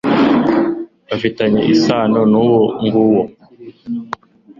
bafitanye isano n'uwo nguwo